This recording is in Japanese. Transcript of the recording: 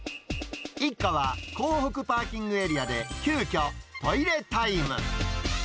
一家は港北パーキングエリアで急きょ、トイレタイム。